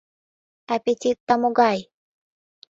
Аппетитда могай?